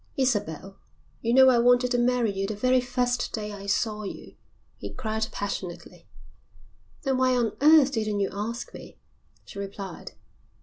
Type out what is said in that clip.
"Isabel, you know I wanted to marry you the very first day I saw you," he cried passionately. "Then why on earth didn't you ask me?" she replied.